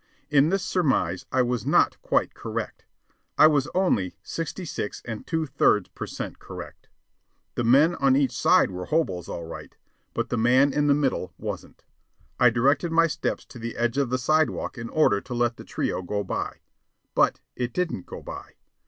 In this surmise I was not quite correct. I was only sixty six and two thirds per cent correct. The men on each side were hoboes all right, but the man in the middle wasn't. I directed my steps to the edge of the sidewalk in order to let the trio go by. But it didn't go by.